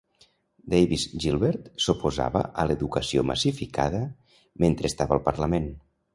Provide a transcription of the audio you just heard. Davies Gilbert s'oposava a l'educació massificada mentre estava al parlament.